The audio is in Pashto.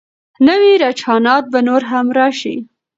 نوي رجحانات به نور هم راشي.